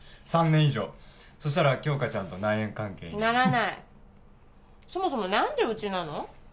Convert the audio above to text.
３年以上そしたら杏花ちゃんと内縁関係にならないそもそも何でうちなの？